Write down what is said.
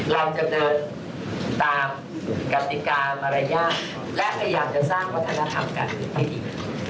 เราจะเดินตามกติกามารยาทและพยายามจะสร้างวัฒนธรรมแบบนี้ให้ดี